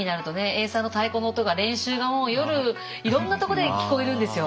エイサーの太鼓の音が練習がもう夜いろんなとこで聞こえるんですよ。